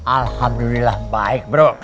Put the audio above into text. alhamdulillah baik bro